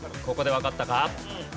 ここでわかったか？